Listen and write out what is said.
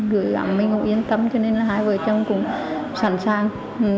gửi gắm mình cũng yên tâm cho nên là hai vợ chồng cũng sẵn sàng